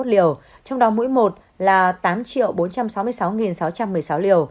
trong đó mũi một là một mươi sáu bốn trăm một mươi bảy năm trăm năm mươi một liều